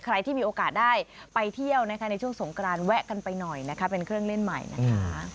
ใครที่มีโอกาสได้ไปเที่ยวนะคะในช่วงสงกรานแวะกันไปหน่อยนะคะเป็นเครื่องเล่นใหม่นะคะ